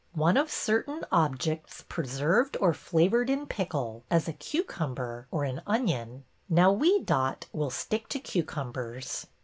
' One of certain objects preserved or flavored in pickle, as a cucumber or an onion.' Now we, Dot, will stick to cucumbers."